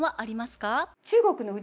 中国の内